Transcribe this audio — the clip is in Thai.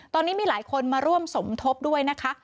ตอนนี้มีหลายคนมาร่วมสมทบด้วยนะคะ